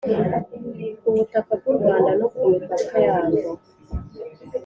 butaka bw u Rwanda no ku mipaka yarwo